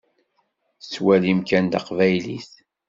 Tettwalim kan taqbaylit.